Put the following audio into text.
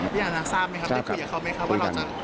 พี่อาหารทางทราบไหมครับได้คุยกับเขาไหมครับ